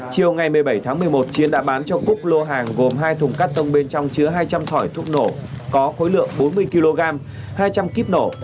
chiều ngày một mươi bảy tháng một mươi một chiến đã bán cho cúc lô hàng gồm hai thùng cắt tông bên trong chứa hai trăm linh thỏi thuốc nổ có khối lượng bốn mươi kg hai trăm linh kíp nổ